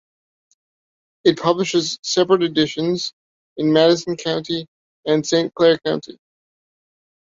It publishes separate editions in Madison County and Saint Clair County.